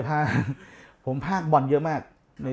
ภาคผมภาคบอลเยอะมาก